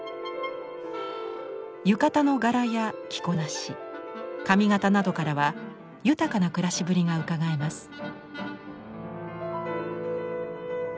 浴衣の柄や着こなし髪型などからは豊かな暮らしぶりがうかがえます。